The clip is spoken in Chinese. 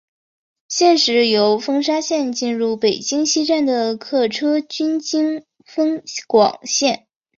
现时由丰沙线进入北京西站的客车均经丰广线。